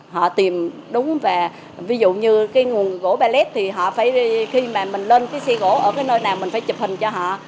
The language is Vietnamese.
họ tìm đúng và ví dụ như cái nguồn gỗ pallet thì họ phải khi mà mình lên cái xe gỗ ở cái nơi nào mình phải chụp hình cho họ